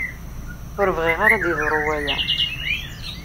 Ur bɣiɣ ad yeḍṛu waya.